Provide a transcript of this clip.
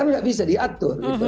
tidak bisa diatur